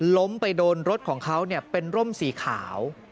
ล้มไปโดนรถของเขาเป็นร่มสีขาว